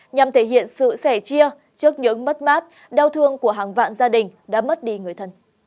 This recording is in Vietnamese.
nhằm thể hiện sự sẻ chia trước những mất mát đau thương của hàng vạn gia đình đã mất đi người thân